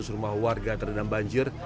tiga lima ratus rumah warga terdendam banjir